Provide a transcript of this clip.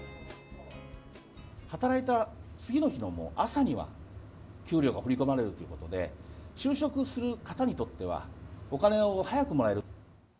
働いた次の日のもう朝には、給料が振り込まれるということで、就職する方にとっては、お金を早くもらえる。